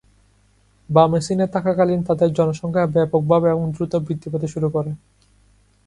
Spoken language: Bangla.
বামেসিনে থাকাকালীন, তাদের জনসংখ্যা ব্যাপকভাবে এবং দ্রুত বৃদ্ধি পেতে শুরু করে।